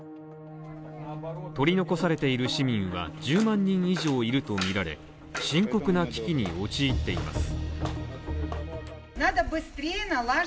取り残されている市民は１０万人以上いるとみられ、深刻な危機に陥っています。